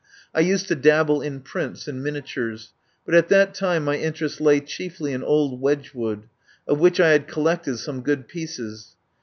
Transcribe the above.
I used to dabble in prints and miniatures, but at that time my interest lay chiefly in Old Wedgwood, of which I had collected some good pieces.